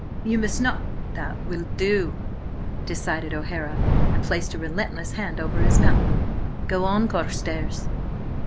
You must n—" "That will do," decided O'Hara, and placed a relentless hand over his mouth. "Go on, Carstares!"